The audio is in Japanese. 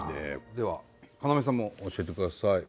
では要さんも教えてください。